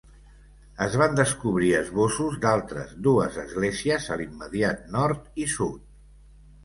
Es van descobrir esbossos d'altres dues esglésies a l'immediat nord i sud.